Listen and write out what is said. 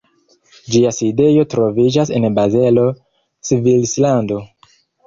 Ĝia sidejo troviĝas en Bazelo, Svislando.